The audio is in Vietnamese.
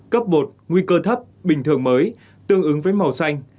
cấp bột nguy cơ thấp bình thường mới tương ứng với màu xanh